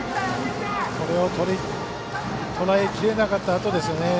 これをとらえきれなかったあとですね。